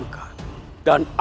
dan aku akan menangkapmu